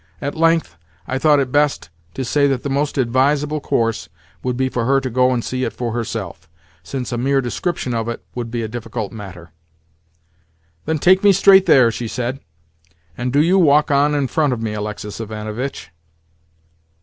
At length, I thought it best to say that the most advisable course would be for her to go and see it for herself, since a mere description of it would be a difficult matter. "Then take me straight there," she said, "and do you walk on in front of me, Alexis Ivanovitch."